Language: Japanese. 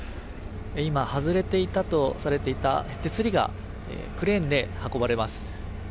今、外れていたとされていた手すりがクレーンで運ばれます。